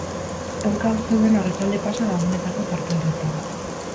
Ehunka haur zeuden arratsalde pasa gabonetako parke horretan.